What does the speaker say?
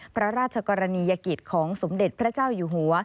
พระราชกรณียกิจของสมเด็จพระเจ้าอยู่หัว